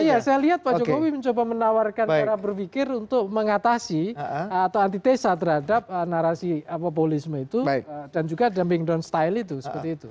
iya saya lihat pak jokowi mencoba menawarkan cara berpikir untuk mengatasi atau antitesa terhadap narasi populisme itu dan juga dombing down style itu seperti itu